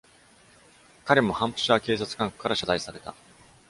彼もハンプシャー警察管区から謝罪された。